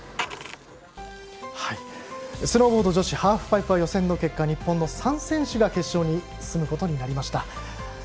スノーボード女子ハーフパイプは予選の結果、日本の３選手が決勝に進むことになりました。